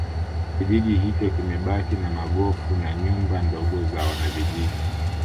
Kijiji hicho kimebaki na magofu na nyumba ndogo za wanavijiji